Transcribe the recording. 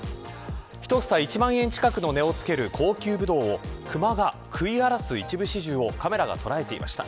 １房１万円近くの値をつける高級ブドウをクマが食い荒らす一部始終をカメラが捉えていました。